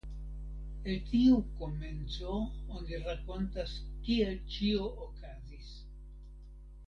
El tiu komenco oni rakontas kiel ĉio okazis.